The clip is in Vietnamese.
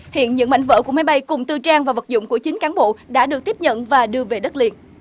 hiện những mảnh vỡ của máy bay cùng tư trang và vật dụng của chính cán bộ đã được tiếp nhận và đưa về đất liền